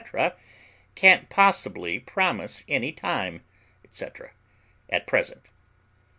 can't possibly promise any time, &c., at present.